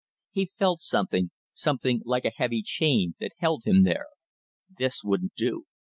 He felt something, something like a heavy chain, that held him there. This wouldn't do.